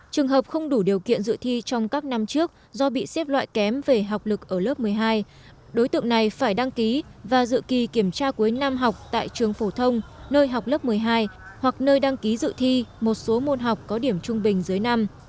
trường hợp không đủ điều kiện dự thi trong các năm trước do bị xếp loại kém về học lực ở lớp một mươi hai đối tượng này phải đăng ký và dự kỳ kiểm tra cuối năm học tại trường phổ thông nơi học lớp một mươi hai hoặc nơi đăng ký dự thi một số môn học có điểm trung bình dưới năm